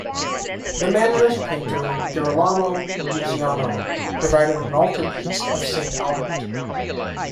The Mannerist painter Girolamo Muziano provided an altarpiece of "Saint Albert".